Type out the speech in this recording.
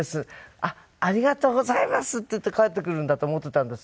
「あっありがとうございます！」って言って帰ってくるんだと思ってたんです。